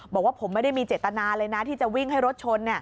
บอกว่าผมไม่ได้มีเจตนาเลยนะที่จะวิ่งให้รถชน